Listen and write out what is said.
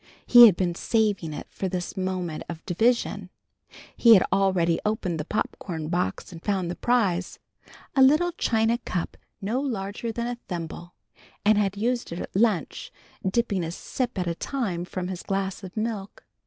He had been saving it for this moment of division. He had already opened the pop corn box and found the prize, a little china cup no larger than a thimble, and had used it at lunch, dipping a sip at a time from his glass of milk.